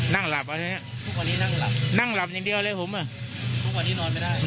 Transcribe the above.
นั่งหลับนั่งหลับอย่างเดียวเลยผม